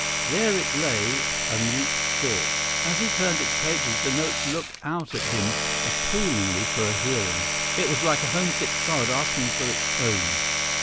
There it lay a mute score. As he turned its pages, the notes looked out at him appealingly for a hearing. It was like a homesick child asking for its own.